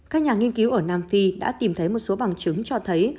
các nhà nghiên cứu ở nam phi đã tìm thấy một số bằng chứng cho thấy